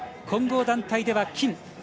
混合団体では金。